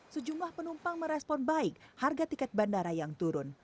sejumlah penumpang merespon baik harga tiket bandara yang turun